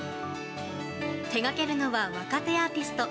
手がけるのは若手アーティスト。